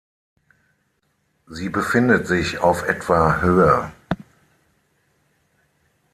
Sie befindet sich auf etwa Höhe.